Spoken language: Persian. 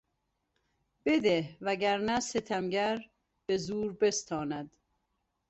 بده وگرنه ستمگر به زور بستاند.